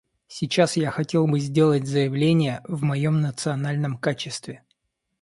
Сейчас я хотел бы сделать заявления в моем национальном качестве.